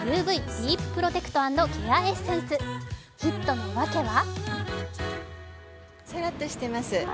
ディーププロテクト＆ケアエッセンスヒットの訳は？